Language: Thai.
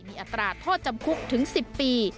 มีอัตราโทษจำคุกถึง๑๐ปี